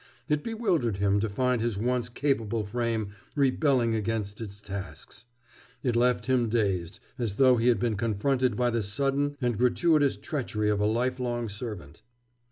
It bewildered him to find his once capable frame rebelling against its tasks. It left him dazed, as though he had been confronted by the sudden and gratuitous treachery of a life long servant.